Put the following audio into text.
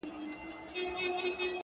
o پلار پرکور نسته، د موره حيا نه کېږي.